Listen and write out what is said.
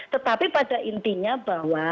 tetapi pada intinya bahwa